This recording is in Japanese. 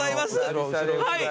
はい！